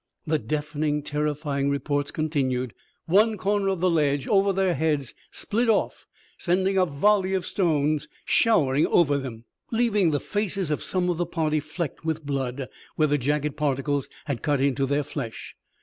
The deafening, terrifying reports continued. One corner of the ledge over their heads split off, sending a volley of stones showering over them, leaving the faces of some of the party flecked with blood where the jagged particles had cut into their flesh.